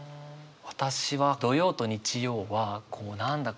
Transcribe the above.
私は土曜と日曜はこう何だ？